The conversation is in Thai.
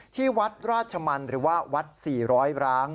ที่วัดราชมันหรือว่าวัด๔๐๐ร้าง